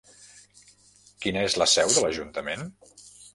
Quina és la seu de l'Ajuntament?